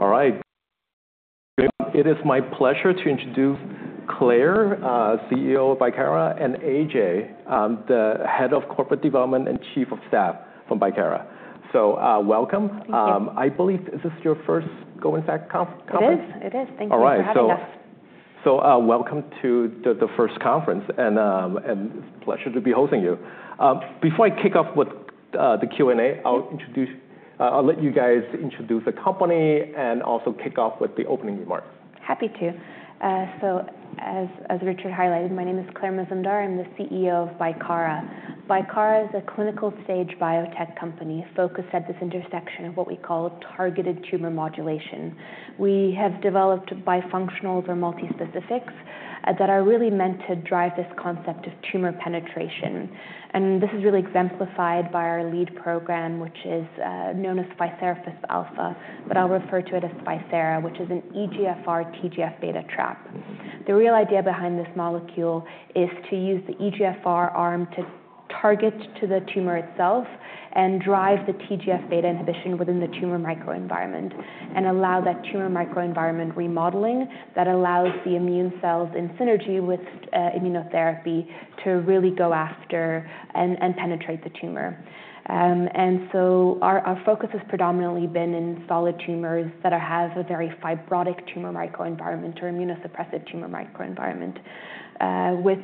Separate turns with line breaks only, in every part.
All right. It is my pleasure to introduce Claire, CEO of Bicara, and AJ, the Head of Corporate Development and Chief of Staff for Bicara. So welcome. I believe this is your first Cowen-Sachs conference?
It is. Thank you for having us.
All right. So welcome to the first conference, and it's a pleasure to be hosting you. Before I kick off with the Q&A, I'll let you guys introduce the company and also kick off with the opening remarks.
Happy to. As Richard highlighted, my name is Claire Mazumdar. I'm the CEO of Bicara. Bicara is a clinical-stage biotech company focused at this intersection of what we call targeted tumor modulation. We have developed bifunctionals or multispecifics that are really meant to drive this concept of tumor penetration. This is really exemplified by our lead program, which is known as ficerafusp alfa, but I'll refer to it as ficera, which is an EGFR-TGF beta trap. The real idea behind this molecule is to use the EGFR arm to target to the tumor itself and drive the TGF beta inhibition within the tumor microenvironment and allow that tumor microenvironment remodeling that allows the immune cells in synergy with immunotherapy to really go after and penetrate the tumor. Our focus has predominantly been in solid tumors that have a very fibrotic tumor microenvironment or immunosuppressive tumor microenvironment, with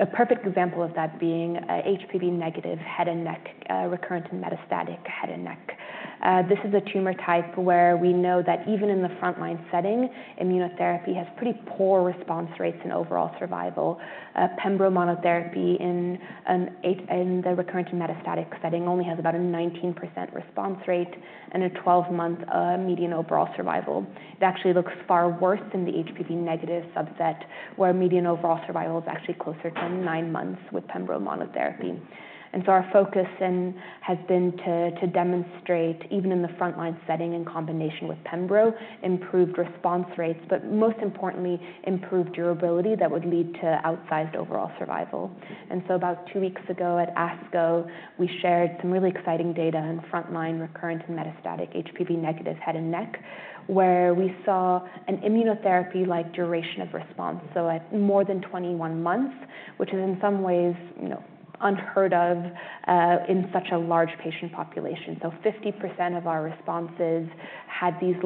a perfect example of that being HPV negative head and neck recurrent and metastatic head and neck. This is a tumor type where we know that even in the frontline setting, immunotherapy has pretty poor response rates and overall survival. Pembro monotherapy in the recurrent and metastatic setting only has about a 19% response rate and a 12-month median overall survival. It actually looks far worse in the HPV negative subset, where median overall survival is actually closer to nine months with pembro monotherapy. Our focus has been to demonstrate, even in the frontline setting in combination with pembro, improved response rates, but most importantly, improved durability that would lead to outsized overall survival. About two weeks ago at ASCO, we shared some really exciting data in frontline, recurrent, and metastatic HPV negative head and neck, where we saw an immunotherapy-like duration of response, at more than 21 months, which is in some ways unheard of in such a large patient population. 50% of our responses had these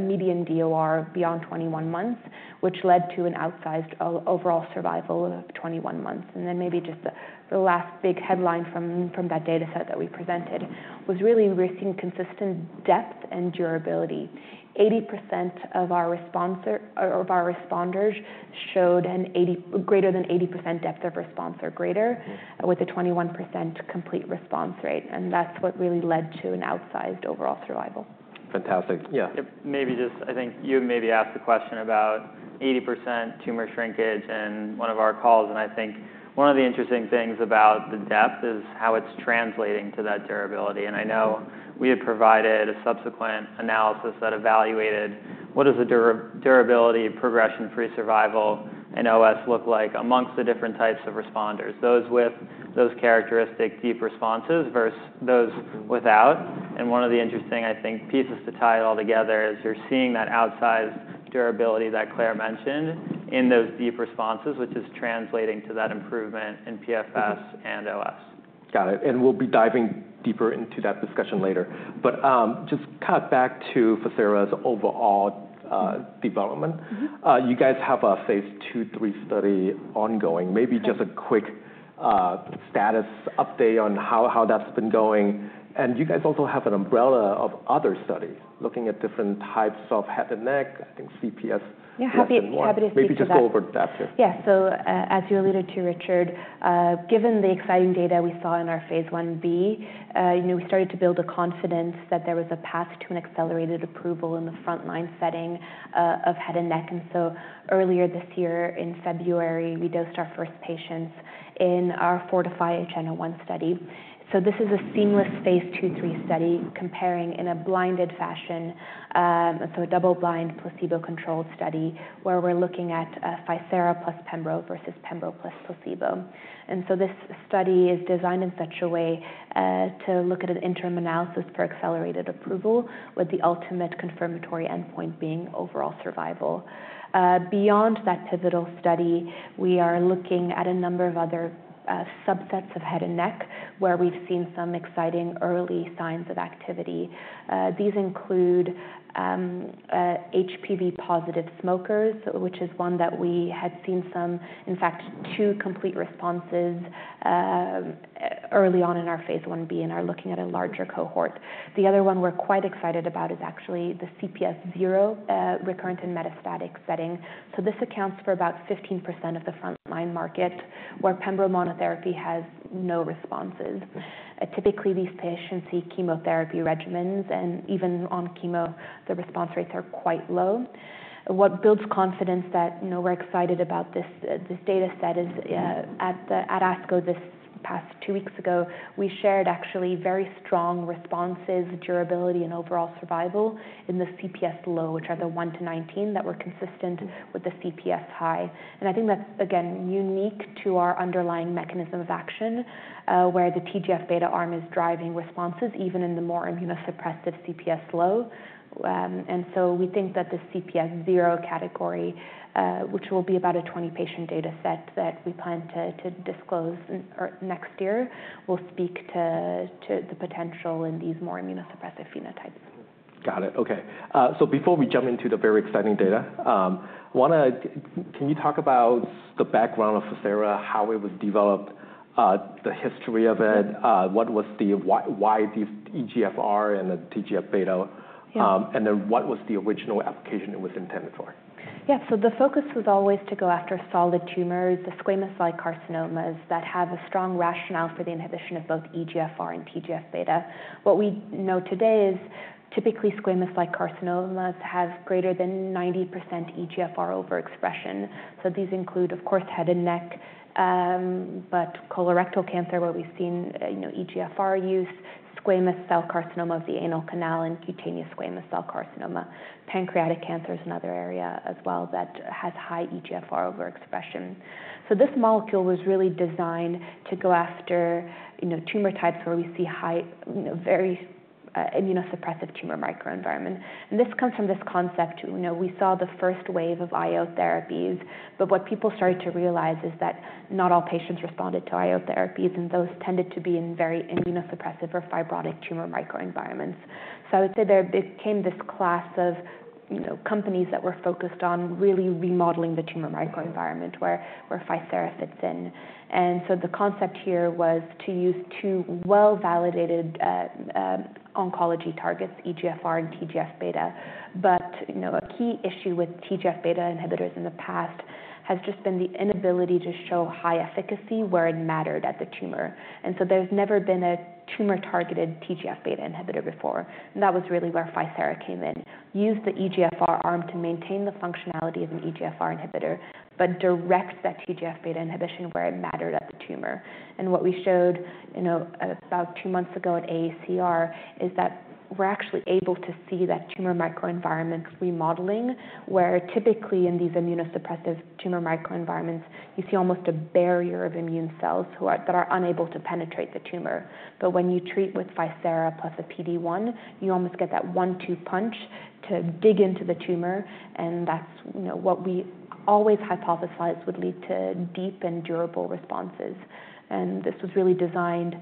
median DOR beyond 21 months, which led to an outsized overall survival of 21 months. Maybe just the last big headline from that data set that we presented was really we're seeing consistent depth and durability. 80% of our responders showed greater than 80% depth of response or greater with a 21% complete response rate. That is what really led to an outsized overall survival.
Fantastic. Yeah.
Maybe just I think you maybe asked the question about 80% tumor shrinkage in one of our calls. I think one of the interesting things about the depth is how it's translating to that durability. I know we had provided a subsequent analysis that evaluated what does the durability progression-free survival in OS look like amongst the different types of responders, those with those characteristic deep responses versus those without. One of the interesting, I think, pieces to tie it all together is you're seeing that outsized durability that Claire mentioned in those deep responses, which is translating to that improvement in PFS and OS.
Got it. We'll be diving deeper into that discussion later. Just to cut back to Bicara's overall development, you guys have a phase II/IIIstudy ongoing. Maybe just a quick status update on how that's been going. You guys also have an umbrella of other studies looking at different types of head and neck, I think CPS, CMR.
Yeah, happy to speak to that.
Maybe just go over that too.
Yeah. As you alluded to, Richard, given the exciting data we saw in our phase I-B, we started to build a confidence that there was a path to an accelerated approval in the frontline setting of head and neck. Earlier this year in February, we dosed our first patients in our FORTIFI-HN01 study. This is a seamless phase 2-3 study comparing, in a blinded fashion, so a double-blind placebo-controlled study where we're looking at ficera plus pembro versus pembro plus placebo. This study is designed in such a way to look at an interim analysis for accelerated approval with the ultimate confirmatory endpoint being overall survival. Beyond that pivotal study, we are looking at a number of other subsets of head and neck where we've seen some exciting early signs of activity. These include HPV positive smokers, which is one that we had seen some, in fact, two complete responses early on in our phase I-B and are looking at a larger cohort. The other one we're quite excited about is actually the CPS zero recurrent and metastatic setting. This accounts for about 15% of the frontline market where pembro monotherapy has no responses. Typically, these patients seek chemotherapy regimens. Even on chemo, the response rates are quite low. What builds confidence that we're excited about this data set is at ASCO this past two weeks ago, we shared actually very strong responses, durability, and overall survival in the CPS low, which are the 1-19 that were consistent with the CPS high. I think that's, again, unique to our underlying mechanism of action where the TGF beta arm is driving responses even in the more immunosuppressive CPS low. We think that the CPS zero category, which will be about a 20-patient data set that we plan to disclose next year, will speak to the potential in these more immunosuppressive phenotypes.
Got it. Okay. Before we jump into the very exciting data, can you talk about the background of ficera, how it was developed, the history of it, what was the why these EGFR and the TGF beta, and then what was the original application it was intended for?
Yeah. The focus was always to go after solid tumors, the squamous-like carcinomas that have a strong rationale for the inhibition of both EGFR and TGF beta. What we know today is typically squamous-like carcinomas have greater than 90% EGFR overexpression. These include, of course, head and neck, but colorectal cancer where we've seen EGFR use, squamous cell carcinoma of the anal canal, and cutaneous squamous cell carcinoma. Pancreatic cancer is another area as well that has high EGFR overexpression. This molecule was really designed to go after tumor types where we see very immunosuppressive tumor microenvironment. This comes from this concept. We saw the first wave of IO therapies, but what people started to realize is that not all patients responded to IO therapies, and those tended to be in very immunosuppressive or fibrotic tumor microenvironments. I would say there became this class of companies that were focused on really remodeling the tumor microenvironment where ficera fits in. The concept here was to use two well-validated oncology targets, EGFR and TGF beta. A key issue with TGF beta inhibitors in the past has just been the inability to show high efficacy where it mattered at the tumor. There has never been a tumor-targeted TGF beta inhibitor before. That was really where ficera came in, used the EGFR arm to maintain the functionality of an EGFR inhibitor, but direct that TGF beta inhibition where it mattered at the tumor. What we showed about two months ago at AACR is that we're actually able to see that tumor microenvironment remodeling where typically in these immunosuppressive tumor microenvironments, you see almost a barrier of immune cells that are unable to penetrate the tumor. When you treat with ficera plus a PD-1, you almost get that one-two punch to dig into the tumor. That is what we always hypothesized would lead to deep and durable responses. This was really designed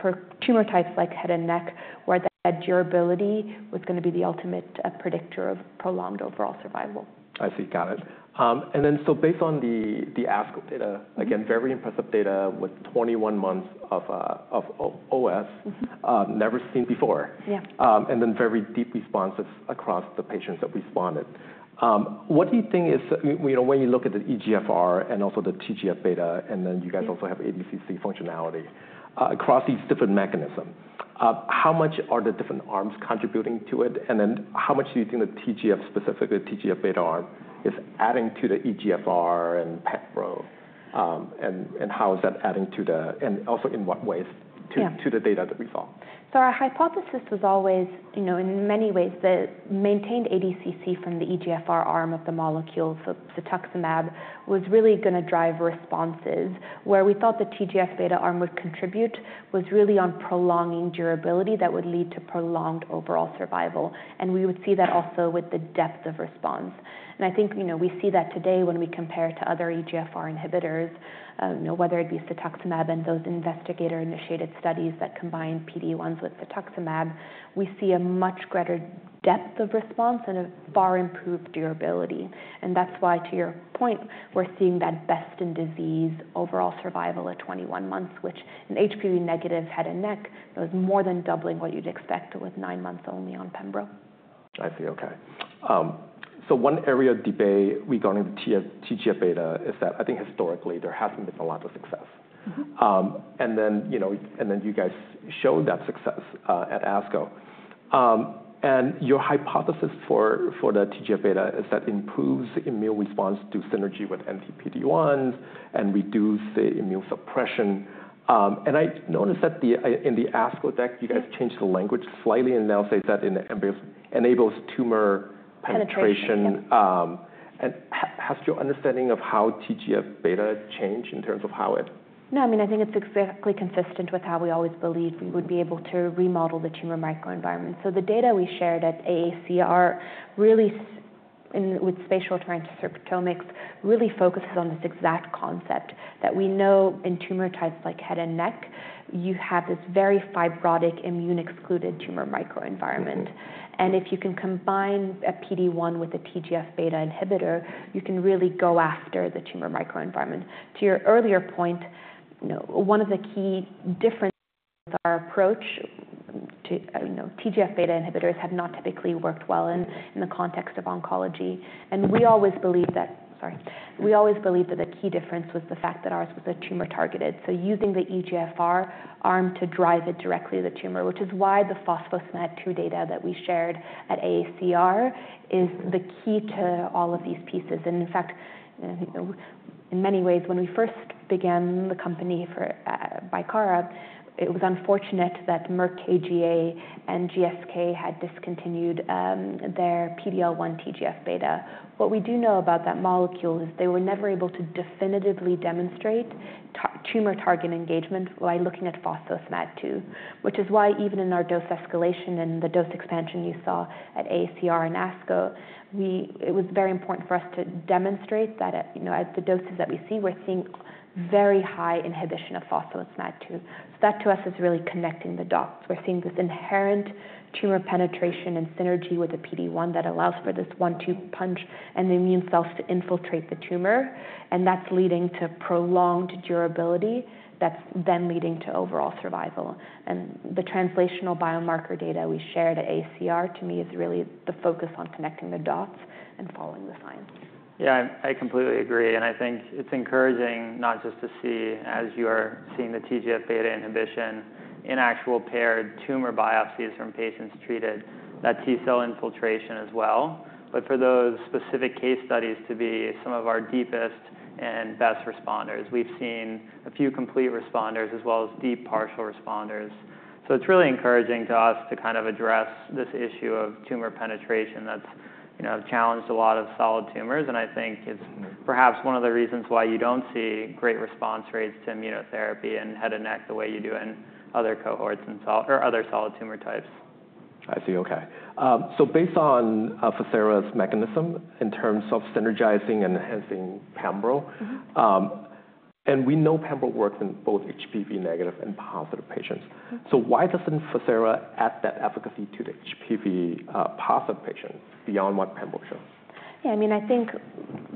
for tumor types like head and neck where that durability was going to be the ultimate predictor of prolonged overall survival.
I see. Got it. Based on the ASCO data, again, very impressive data with 21 months of OS never seen before, and then very deep responses across the patients that responded. What do you think is, when you look at the EGFR and also the TGF beta, and then you guys also have ADCC functionality across these different mechanisms, how much are the different arms contributing to it? How much do you think the TGF specifically, TGF beta arm is adding to the EGFR and pembro? How is that adding to the, and also in what ways, to the data that we saw?
Our hypothesis was always in many ways that maintained ADCC from the EGFR arm of the molecule, so cetuximab, was really going to drive responses. Where we thought the TGF beta arm would contribute was really on prolonging durability that would lead to prolonged overall survival. We would see that also with the depth of response. I think we see that today when we compare to other EGFR inhibitors, whether it be cetuximab and those investigator-initiated studies that combine PD-1s with cetuximab, we see a much greater depth of response and a far improved durability. That is why, to your point, we are seeing that best-in-disease overall survival at 21 months, which in HPV negative head and neck, that was more than doubling what you would expect with nine months only on pembro.
I see. Okay. One area of debate regarding the TGF beta is that I think historically there has not been a lot of success. Then you guys showed that success at ASCO. Your hypothesis for the TGF beta is that it improves immune response through synergy with anti-PD-1s and reduces the immune suppression. I noticed that in the ASCO deck, you guys changed the language slightly and now say that it enables tumor penetration.
Penetrate.
Has your understanding of how TGF beta changed in terms of how it?
No, I mean, I think it's exactly consistent with how we always believed we would be able to remodel the tumor microenvironment. The data we shared at AACR really with spatial transcriptomics really focuses on this exact concept that we know in tumor types like head and neck, you have this very fibrotic immune-excluded tumor microenvironment. If you can combine a PD-1 with a TGF beta inhibitor, you can really go after the tumor microenvironment. To your earlier point, one of the key differences with our approach to TGF beta inhibitors is they have not typically worked well in the context of oncology. We always believed that, sorry, we always believed that the key difference was the fact that ours was tumor-targeted. Using the EGFR arm to drive it directly to the tumor, which is why the phospho-SMAD2 data that we shared at AACR is the key to all of these pieces. In fact, in many ways, when we first began the company for Bicara, it was unfortunate that Merck KGaA and GSK had discontinued their PD-L1 /TGF beta. What we do know about that molecule is they were never able to definitively demonstrate tumor-target engagement by looking at phospho-SMAD2, which is why even in our dose escalation and the dose expansion you saw at AACR and ASCO, it was very important for us to demonstrate that at the doses that we see, we are seeing very high inhibition of phospho-SMAD2. That to us is really connecting the dots. We're seeing this inherent tumor penetration and synergy with the PD-1 that allows for this one-two punch and the immune cells to infiltrate the tumor. That's leading to prolonged durability that's then leading to overall survival. The translational biomarker data we shared at AACR to me is really the focus on connecting the dots and following the science.
Yeah, I completely agree. I think it's encouraging not just to see, as you are seeing the TGF beta inhibition in actual paired tumor biopsies from patients treated, that T cell infiltration as well. For those specific case studies to be some of our deepest and best responders, we've seen a few complete responders as well as deep partial responders. It's really encouraging to us to kind of address this issue of tumor penetration that's challenged a lot of solid tumors. I think it's perhaps one of the reasons why you don't see great response rates to immunotherapy in head and neck the way you do in other cohorts and other solid tumor types.
I see. Okay. Based on ficera's mechanism in terms of synergizing and enhancing pembro, and we know pembro works in both HPV negative and positive patients. Why does not ficera add that efficacy to the HPV positive patients beyond what pembro shows?
Yeah. I mean, I think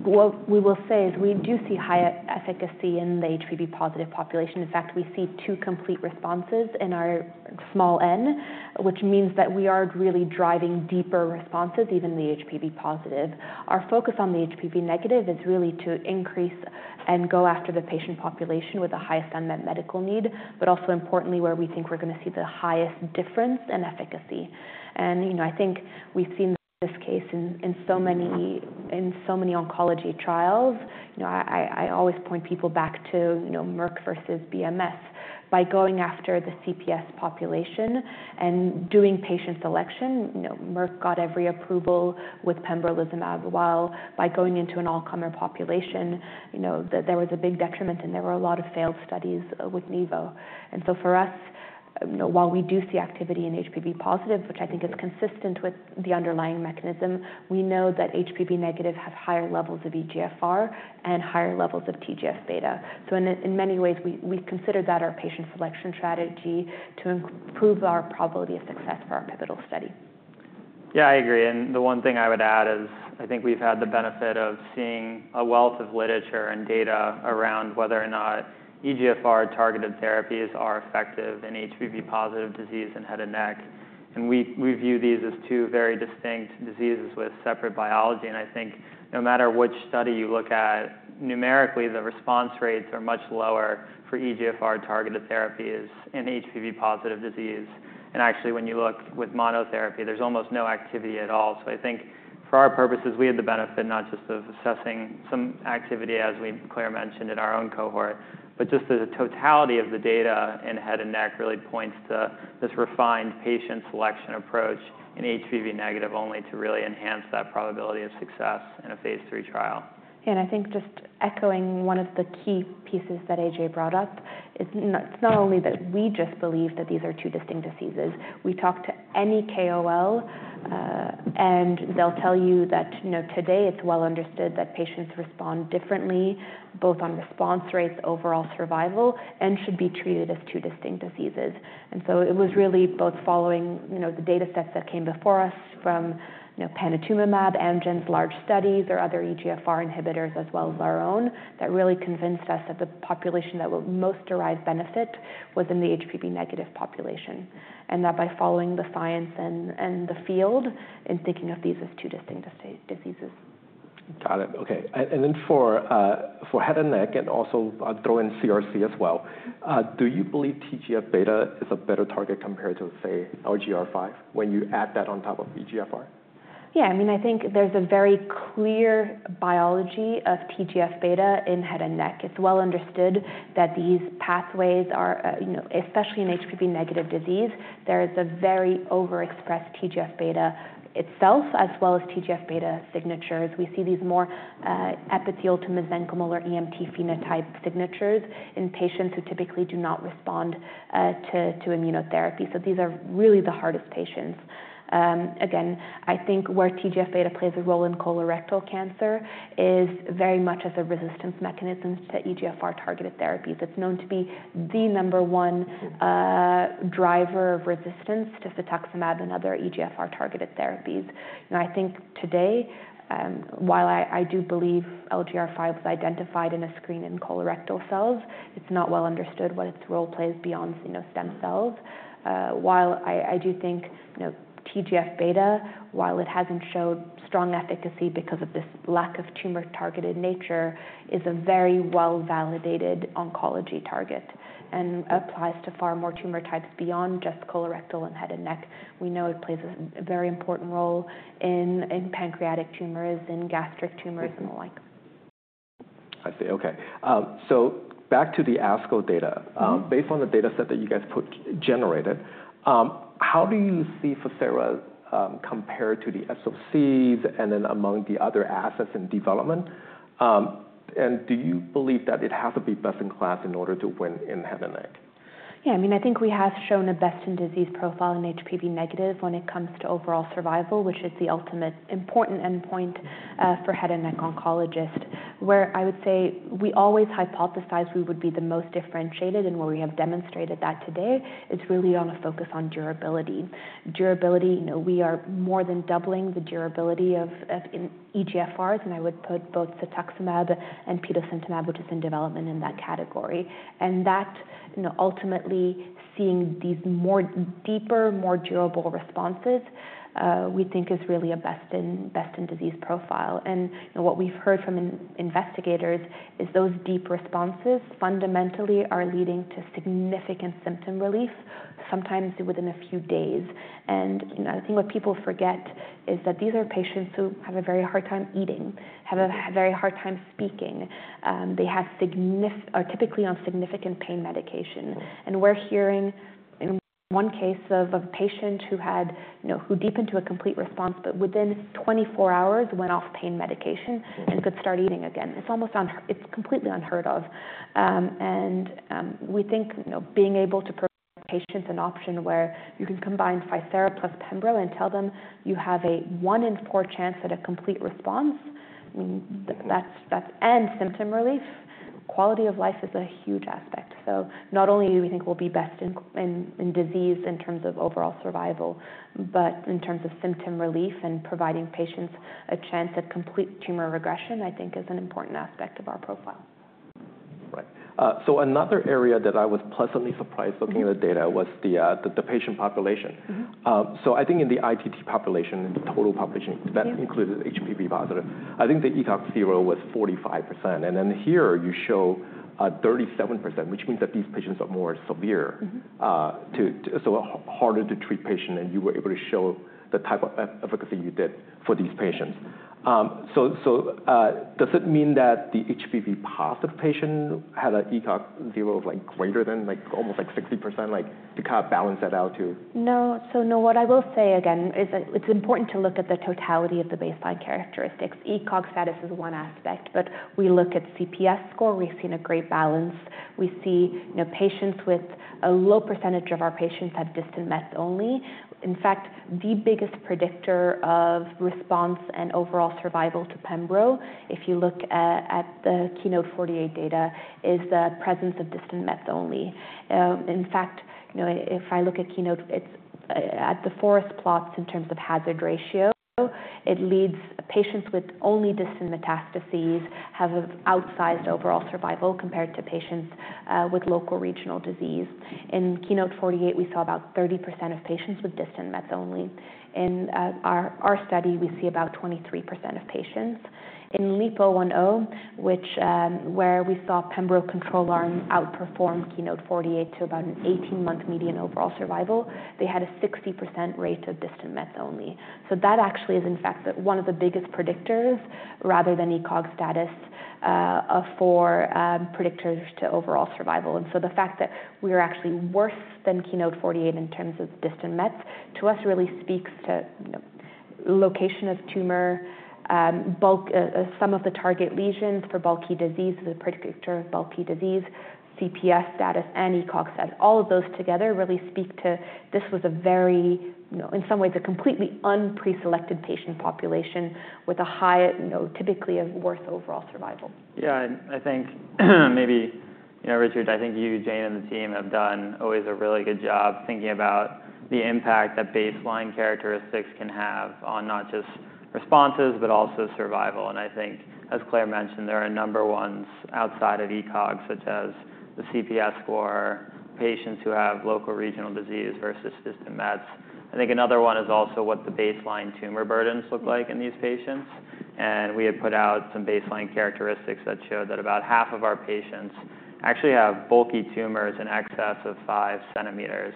what we will say is we do see high efficacy in the HPV positive population. In fact, we see two complete responses in our small N, which means that we are really driving deeper responses even in the HPV positive. Our focus on the HPV negative is really to increase and go after the patient population with the highest unmet medical need, but also importantly where we think we are going to see the highest difference in efficacy. I think we have seen this case in so many oncology trials. I always point people back to Merck versus BMS. By going after the CPS population and doing patient selection, Merck got every approval with pembrolizumab. While by going into an all-comer population, there was a big detriment and there were a lot of failed studies with NEVO. For us, while we do see activity in HPV positive, which I think is consistent with the underlying mechanism, we know that HPV negative have higher levels of EGFR and higher levels of TGF beta. In many ways, we consider that our patient selection strategy to improve our probability of success for our pivotal study.
Yeah, I agree. The one thing I would add is I think we've had the benefit of seeing a wealth of literature and data around whether or not EGFR targeted therapies are effective in HPV positive disease and head and neck. We view these as two very distinct diseases with separate biology. I think no matter which study you look at, numerically the response rates are much lower for EGFR targeted therapies in HPV positive disease. Actually, when you look with monotherapy, there's almost no activity at all. I think for our purposes, we had the benefit not just of assessing some activity, as Claire mentioned in our own cohort, but just the totality of the data in head and neck really points to this refined patient selection approach in HPV negative only to really enhance that probability of success in a phase three trial.
Yeah. I think just echoing one of the key pieces that AJ brought up, it's not only that we just believe that these are two distinct diseases. You talk to any KOL, and they'll tell you that today it's well understood that patients respond differently, both on response rates, overall survival, and should be treated as two distinct diseases. It was really both following the data sets that came before us from panitumumab, Amgen's large studies, or other EGFR inhibitors as well as our own that really convinced us that the population that would most derive benefit was in the HPV negative population. By following the science and the field in thinking of these as two distinct diseases.
Got it. Okay. For head and neck, and also throw in CRC as well, do you believe TGF beta is a better target compared to, say, LGR5 when you add that on top of EGFR?
Yeah. I mean, I think there's a very clear biology of TGF beta in head and neck. It's well understood that these pathways are, especially in HPV negative disease, there is a very overexpressed TGF beta itself as well as TGF beta signatures. We see these more epithelial to mesenchymal or EMT phenotype signatures in patients who typically do not respond to immunotherapy. These are really the hardest patients. Again, I think where TGF beta plays a role in colorectal cancer is very much as a resistance mechanism to EGFR targeted therapies. It's known to be the number one driver of resistance to cetuximab and other EGFR targeted therapies. I think today, while I do believe LGR5 was identified in a screen in colorectal cells, it's not well understood what its role plays beyond stem cells. While I do think TGF beta, while it hasn't showed strong efficacy because of this lack of tumor-targeted nature, is a very well-validated oncology target and applies to far more tumor types beyond just colorectal and head and neck. We know it plays a very important role in pancreatic tumors, in gastric tumors, and the like.
I see. Okay. Back to the ASCO data. Based on the data set that you guys generated, how do you see ficera compared to the SOCs and then among the other assets in development? Do you believe that it has to be best in class in order to win in head and neck?
Yeah. I mean, I think we have shown a best in disease profile in HPV negative when it comes to overall survival, which is the ultimate important endpoint for head and neck oncologists. Where I would say we always hypothesized we would be the most differentiated, and where we have demonstrated that today is really on a focus on durability. Durability, we are more than doubling the durability of EGFRs, and I would put both cetuximab and petosemtamab, which is in development, in that category. Ultimately, seeing these more deep, more durable responses, we think is really a best in disease profile. What we've heard from investigators is those deep responses fundamentally are leading to significant symptom relief, sometimes within a few days. I think what people forget is that these are patients who have a very hard time eating, have a very hard time speaking. They are typically on significant pain medication. We are hearing in one case of a patient who deepened to a complete response, but within 24 hours went off pain medication and could start eating again. It is almost completely unheard of. We think being able to provide patients an option where you can combine ficera plus pembro and tell them you have a one in four chance at a complete response, that is end symptom relief, quality of life is a huge aspect. Not only do we think we will be best in disease in terms of overall survival, but in terms of symptom relief and providing patients a chance at complete tumor regression, I think is an important aspect of our profile.
Right. Another area that I was pleasantly surprised looking at the data was the patient population. I think in the ITT population, in the total population, that included HPV positive, I think the ECOG score was 45%. Here you show 37%, which means that these patients are more severe, so harder to treat patients, and you were able to show the type of efficacy you did for these patients. Does it mean that the HPV positive patient had an ECOG score of greater than almost like 60% to kind of balance that out too?
No. No, what I will say again is it's important to look at the totality of the baseline characteristics. ECOG status is one aspect, but we look at CPS score. We've seen a great balance. We see patients with a low percentage of our patients have distant meth only. In fact, the biggest predictor of response and overall survival to pembro, if you look at the KEYNOTE-048 data, is the presence of distant meth only. In fact, if I look at keynote, it's at the forest plots in terms of hazard ratio. It leads patients with only distant metastases have outsized overall survival compared to patients with local regional disease. In KEYNOTE-048, we saw about 30% of patients with distant meth only. In our study, we see about 23% of patients. In LEAP-010, where we saw pembro control arm outperform KEYNOTE-048 to about an 18-month median overall survival, they had a 60% rate of distant meth only. That actually is, in fact, one of the biggest predictors rather than ECOG status for predictors to overall survival. The fact that we are actually worse than KEYNOTE-048 in terms of distant meth to us really speaks to location of tumor, some of the target lesions for bulky disease, the predictor of bulky disease, CPS status, and ECOG status. All of those together really speak to this was a very, in some ways, a completely unpreselected patient population with a high, typically a worse overall survival.
Yeah. I think maybe, Richard, I think you, Jane, and the team have done always a really good job thinking about the impact that baseline characteristics can have on not just responses, but also survival. I think, as Claire mentioned, there are number ones outside of ECOG, such as the CPS score, patients who have local regional disease versus distant mets. I think another one is also what the baseline tumor burdens look like in these patients. We had put out some baseline characteristics that showed that about half of our patients actually have bulky tumors in excess of 5 centimeters.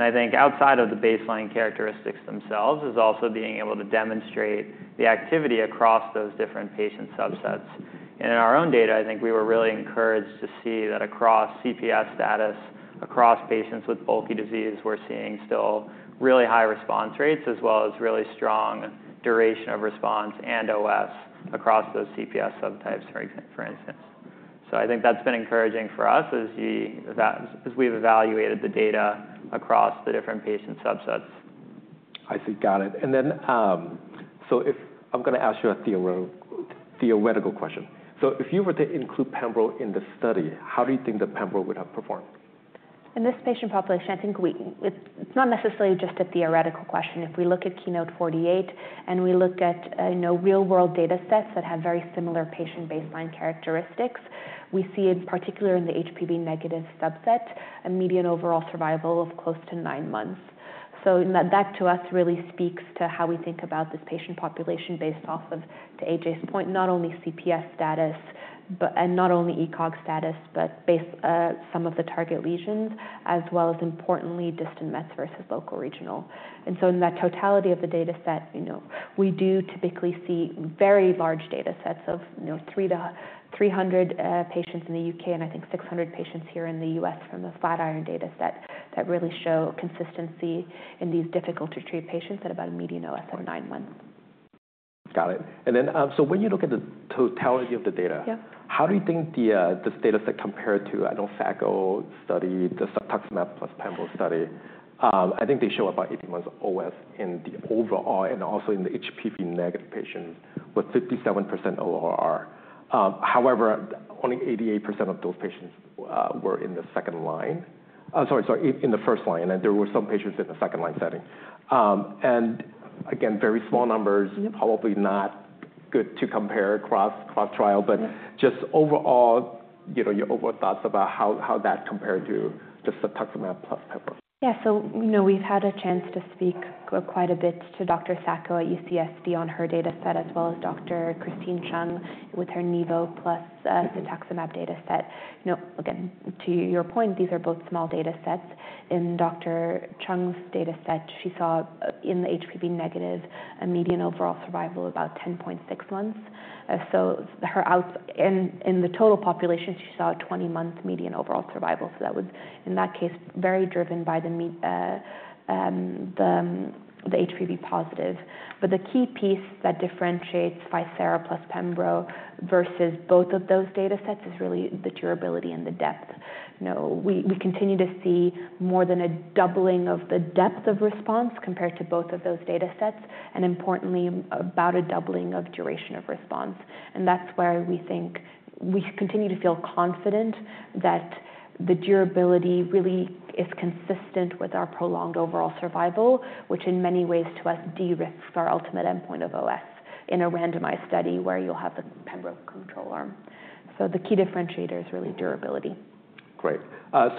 I think outside of the baseline characteristics themselves is also being able to demonstrate the activity across those different patient subsets. In our own data, I think we were really encouraged to see that across CPS status, across patients with bulky disease, we're seeing still really high response rates as well as really strong duration of response and OS across those CPS subtypes, for instance. I think that's been encouraging for us as we've evaluated the data across the different patient subsets.
I see. Got it. I am going to ask you a theoretical question. If you were to include pembro in the study, how do you think the pembro would have performed?
In this patient population, I think it's not necessarily just a theoretical question. If we look at KEYNOTE-048 and we look at real-world data sets that have very similar patient baseline characteristics, we see in particular in the HPV negative subset, a median overall survival of close to nine months. That to us really speaks to how we think about this patient population based off of, to AJ's point, not only CPS status and not only ECOG status, but some of the target lesions, as well as importantly distant meth versus local regional. In that totality of the data set, we do typically see very large data sets of 300 patients in the U.K. and I think 600 patients here in the U.S. from the Flatiron data set that really show consistency in these difficult-to-treat patients at about a median OS of nine months.
Got it. When you look at the totality of the data, how do you think this data set compared to, I know, the FACO study, the cetuximab plus pembro study? I think they show about 18 months OS in the overall and also in the HPV negative patients with 57% ORR. However, only 88% of those patients were in the first line. Sorry, in the first line. Then there were some patients in the second line setting. Again, very small numbers, probably not good to compare across trial, but just overall, your overall thoughts about how that compared to just cetuximab plus pembro.
Yeah. So we've had a chance to speak quite a bit to Dr. Sacco at UCSD on her data set as well as Dr. Christine Chung with her Nevo plus cetuximab data set. Again, to your point, these are both small data sets. In Dr. Chung's data set, she saw in the HPV negative a median overall survival of about 10.6 months. In the total population, she saw a 20-month median overall survival. That was, in that case, very driven by the HPV positive. The key piece that differentiates ficera plus pembro versus both of those data sets is really the durability and the depth. We continue to see more than a doubling of the depth of response compared to both of those data sets, and importantly, about a doubling of duration of response. That is where we think we continue to feel confident that the durability really is consistent with our prolonged overall survival, which in many ways to us de-risk our ultimate endpoint of OS in a randomized study where you'll have the pembro control arm. The key differentiator is really durability.
Great. At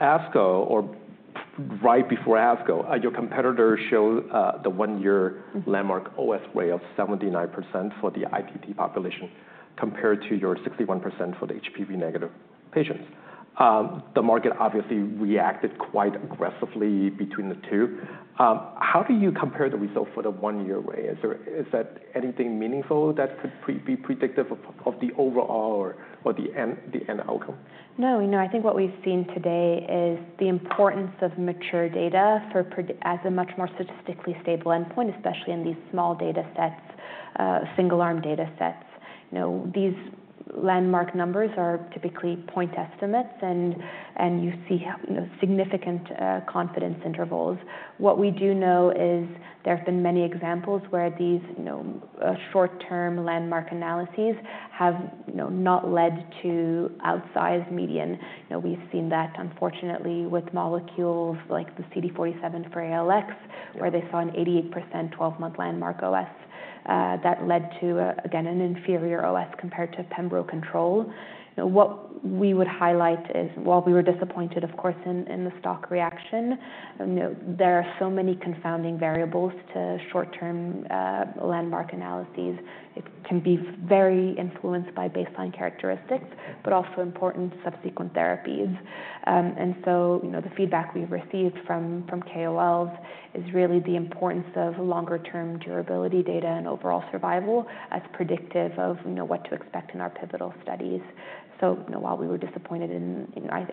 ASCO, or right before ASCO, your competitor showed the one-year landmark OS rate of 79% for the ITT population compared to your 61% for the HPV negative patients. The market obviously reacted quite aggressively between the two. How do you compare the result for the one-year rate? Is that anything meaningful that could be predictive of the overall or the end outcome?
No. I think what we've seen today is the importance of mature data as a much more statistically stable endpoint, especially in these small data sets, single-arm data sets. These landmark numbers are typically point estimates, and you see significant confidence intervals. What we do know is there have been many examples where these short-term landmark analyses have not led to outsized median. We've seen that, unfortunately, with molecules like the CD47 for ALX, where they saw an 88% 12-month landmark OS that led to, again, an inferior OS compared to pembro control. What we would highlight is, while we were disappointed, of course, in the stock reaction, there are so many confounding variables to short-term landmark analyses. It can be very influenced by baseline characteristics, but also important subsequent therapies. The feedback we've received from KOLs is really the importance of longer-term durability data and overall survival as predictive of what to expect in our pivotal studies. While we were disappointed,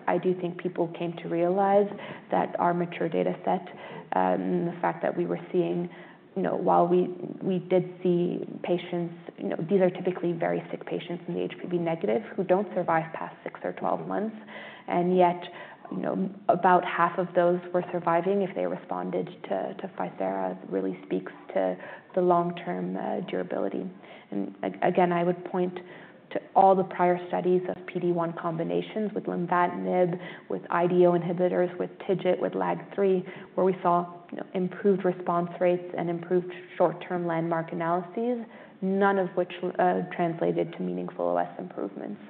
I do think people came to realize that our mature data set, the fact that we were seeing, while we did see patients, these are typically very sick patients in the HPV negative who do not survive past 6 or 12 months, and yet about half of those were surviving if they responded to ficera really speaks to the long-term durability. Again, I would point to all the prior studies of PD-1 combinations with lenvatinib, with IDO inhibitors, with TIGIT, with LAG-3, where we saw improved response rates and improved short-term landmark analyses, none of which translated to meaningful OS improvements.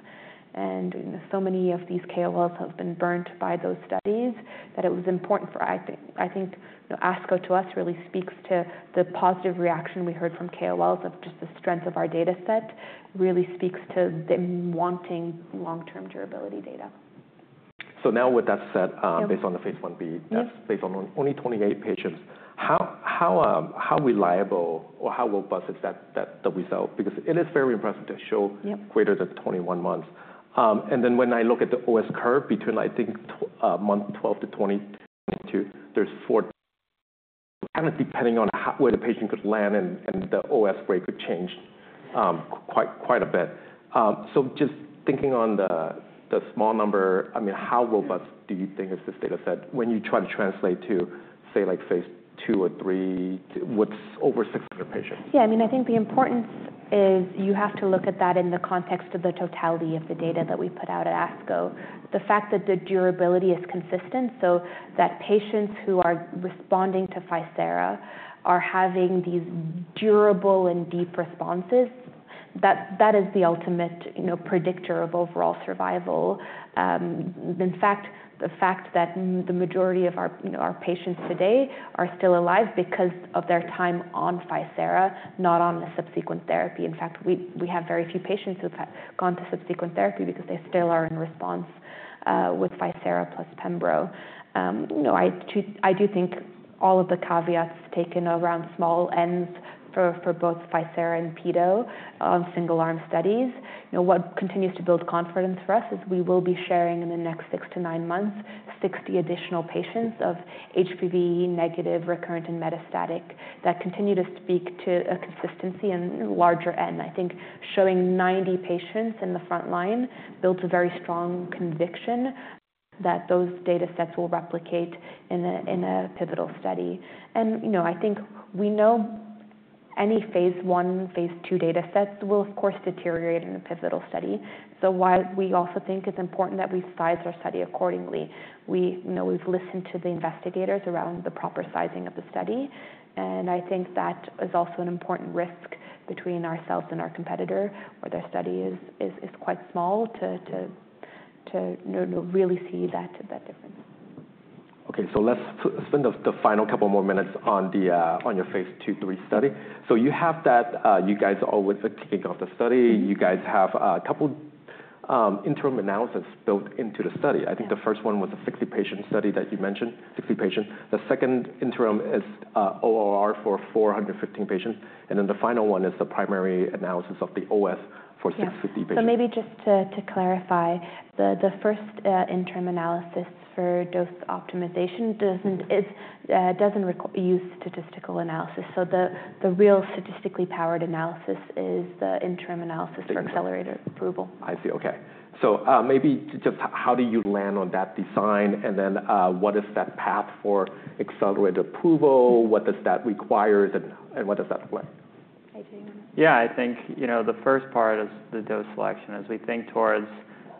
Many of these KOLs have been burnt by those studies that it was important for, I think, ASCO to us really speaks to the positive reaction we heard from KOLs of just the strength of our data set really speaks to them wanting long-term durability data.
Now with that said, based on the phase I-B, based on only 28 patients, how reliable or how robust is that result? Because it is very impressive to show greater than 21 months. When I look at the OS curve between, I think, month 12 to 22, there are four, kind of depending on where the patient could land, and the OS rate could change quite a bit. Just thinking on the small number, I mean, how robust do you think is this data set when you try to translate to, say, phase II or III with over 600 patients?
Yeah. I mean, I think the importance is you have to look at that in the context of the totality of the data that we put out at ASCO. The fact that the durability is consistent, so that patients who are responding to ficerafusp are having these durable and deep responses, that is the ultimate predictor of overall survival. In fact, the fact that the majority of our patients today are still alive because of their time on ficera, not on the subsequent therapy. In fact, we have very few patients who've gone to subsequent therapy because they still are in response with ficera plus pembro. I do think all of the caveats taken around small ends for both ficera and pembro on single-arm studies. What continues to build confidence for us is we will be sharing in the next 6-9months 60 additional patients of HPV negative, recurrent, and metastatic that continue to speak to a consistency and larger end. I think showing 90 patients in the front line builds a very strong conviction that those data sets will replicate in a pivotal study. I think we know any phase I, phase II data sets will, of course, deteriorate in a pivotal study. That is why we also think it is important that we size our study accordingly. We have listened to the investigators around the proper sizing of the study. I think that is also an important risk between ourselves and our competitor where their study is quite small to really see that difference.
Okay. Let's spend the final couple more minutes on your phase II/III study. You guys are always thinking of the study. You guys have a couple interim analysis built into the study. I think the first one was a 60-patient study that you mentioned, 60 patients. The second interim is ORR for 415 patients. The final one is the primary analysis of the OS for 650 patients.
Maybe just to clarify, the first interim analysis for dose optimization does not use statistical analysis. The real statistically powered analysis is the interim analysis for accelerator approval.
I see. Okay. Maybe just how do you land on that design? What is that path for accelerator approval? What does that require? What does that look like?
Yeah. I think the first part is the dose selection. As we think towards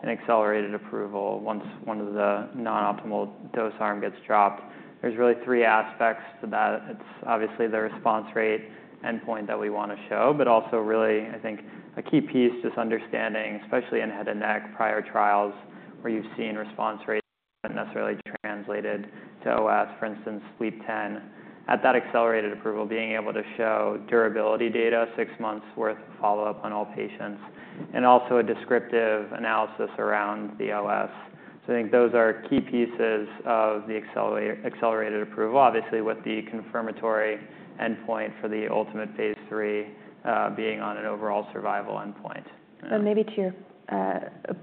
an accelerated approval, once one of the non-optimal dose arm gets dropped, there's really three aspects to that. It's obviously the response rate endpoint that we want to show, but also really, I think a key piece just understanding, especially in head and neck prior trials where you've seen response rates that aren't necessarily translated to OS, for instance, Sleep 10. At that accelerated approval, being able to show durability data, six months' worth of follow-up on all patients, and also a descriptive analysis around the OS. I think those are key pieces of the accelerated approval, obviously with the confirmatory endpoint for the ultimate phase III being on an overall survival endpoint.
Maybe to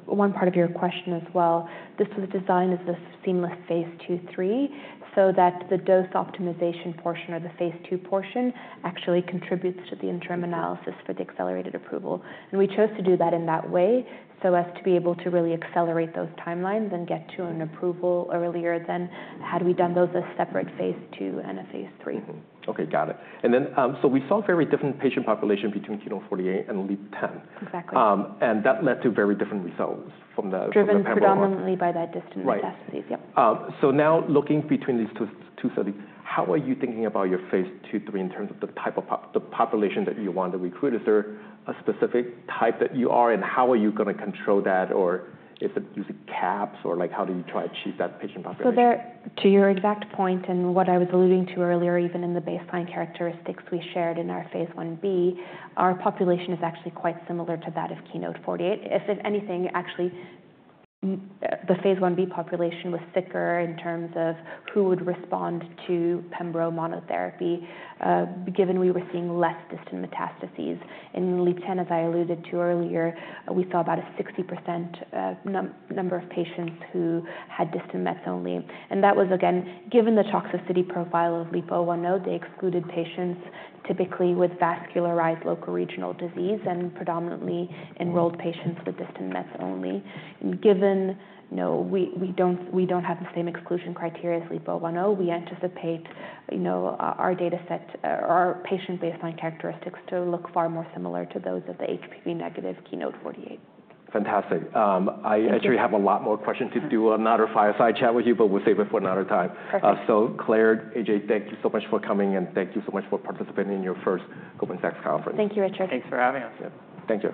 one part of your question as well, this was designed as a seamless phase II/III so that the dose optimization portion or the phase II portion actually contributes to the interim analysis for the accelerated approval. We chose to do that in that way to be able to really accelerate those timelines and get to an approval earlier than had we done those as separate phase II and a phase III.
Okay. Got it. We saw a very different patient population between KEYNOTE-048 and LEAP-010.
Exactly.
That led to very different results from the.
Driven predominantly by that distant metastases.
Right. Now looking between these two studies, how are you thinking about your phase II/III in terms of the population that you want to recruit? Is there a specific type that you are, and how are you going to control that? Is it using caps? How do you try to achieve that patient population?
To your exact point and what I was alluding to earlier, even in the baseline characteristics we shared in our phase 1B, our population is actually quite similar to that of KEYNOTE-048. If anything, actually, the phase 1B population was sicker in terms of who would respond to pembro monotherapy given we were seeing less distant metastases. In LEAP-010, as I alluded to earlier, we saw about a 60% number of patients who had distant mets only. That was, again, given the toxicity profile of LEAP-010, they excluded patients typically with vascularized locoregional disease and predominantly enrolled patients with distant mets only. Given we do not have the same exclusion criteria as LEAP-010, we anticipate our data set or our patient baseline characteristics to look far more similar to those of the HPV negative KEYNOTE-048.
Fantastic. I actually have a lot more questions to do another fireside chat with you, but we'll save it for another time.
Perfect.
Claire, AJ, thank you so much for coming, and thank you so much for participating in your first Cowen-Sachs conference.
Thank you, Richard.
Thanks for having us.
Thank you.